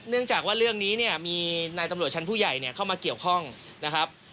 จากว่าเรื่องนี้เนี่ยมีนายตำรวจชั้นผู้ใหญ่เข้ามาเกี่ยวข้องนะครับ